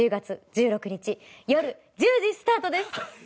１６日夜１０時スタートです。